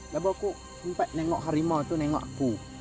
lalu aku sempat nengok harimau itu nengok aku